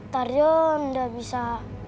tarjun nggak bisa